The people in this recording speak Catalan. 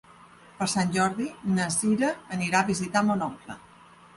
Per Sant Jordi na Cira anirà a visitar mon oncle.